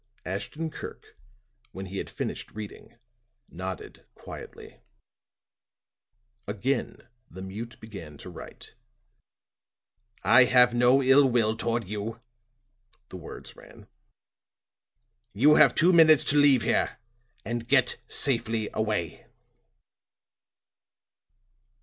Ashton Kirk, when he had finished reading, nodded quietly. Again the mute began to write. "I have no ill will toward you," the words ran, "you have two minutes to leave here, and get safely away."